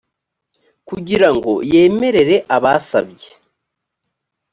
kugira ngo yemerere abasabye